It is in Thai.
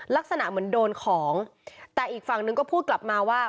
ลักษณะเหมือนโดนของแต่อีกฝั่งนึงก็พูดกลับมาว่า